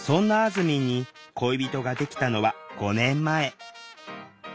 ずみんに恋人ができたのは５年前。